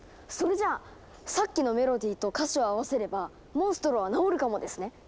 それじゃあさっきのメロディーと歌詞を合わせればモンストロは治るかもですね。